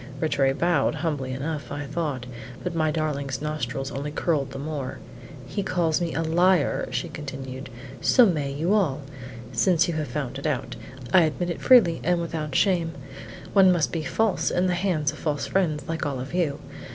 Rattray bowed, humbly enough, I thought; but my darling's nostrils only curled the more. "He calls me a liar," she continued; "so may you all. Since you have found it out, I admit it freely and without shame; one must be false in the hands of false fiends like all of you.